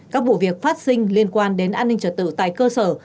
các vụ việc phát sinh liên quan đến an ninh trật tự tại cơ sở